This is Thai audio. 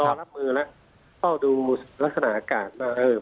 เรารับมือแล้วเฝ้าดูลักษณะอากาศนะ